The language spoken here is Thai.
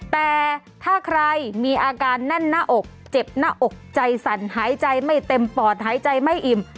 แต่ถ้าใครมีอาการแน่นหน้าอกเจ็บหน้าอกใจสั่นหายใจไม่เต็มปอดหายใจไม่อิ่ม